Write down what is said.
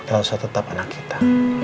elsa tetap anak kita